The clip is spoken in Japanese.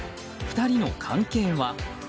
２人の関係は？